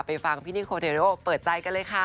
ฟังพี่นิโคเทโรเปิดใจกันเลยค่ะ